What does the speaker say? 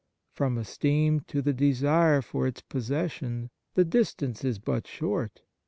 From esteem to the desire for its possession, the distance is but short.